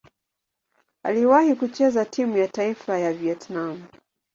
Aliwahi kucheza timu ya taifa ya Vietnam.